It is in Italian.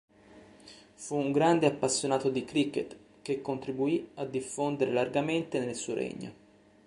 Fu un grande appassionato di cricket che contribuì a diffondere largamente nel suo regno.